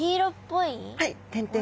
はい。